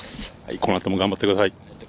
この後も頑張ってください。